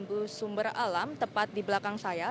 bus sumber alam tepat di belakang saya